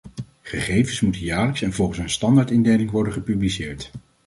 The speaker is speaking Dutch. Gegevens moeten jaarlijks en volgens een standaardindeling worden gepubliceerd.